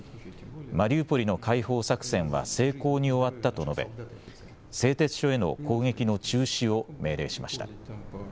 マリウポリの解放作戦は成功に終わったと述べ製鉄所への攻撃の中止を命令しました。